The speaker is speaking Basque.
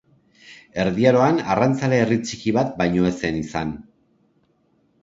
Erdi Aroan arrantzale herri txiki bat baino ez zen izan.